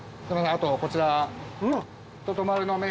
あとこちら。